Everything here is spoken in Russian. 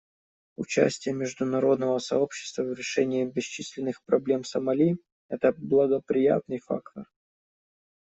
Участие международного сообщества в решении бесчисленных проблем Сомали — это благоприятный фактор.